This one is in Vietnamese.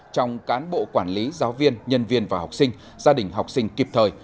trong cán bộ quản lý giáo viên nhân viên và học sinh gia đình học sinh kịp thời